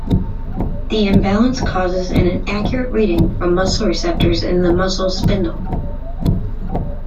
The imbalance causes an inaccurate reading from muscle receptors in the muscle spindle.